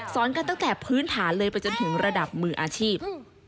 กันตั้งแต่พื้นฐานเลยไปจนถึงระดับมืออาชีพ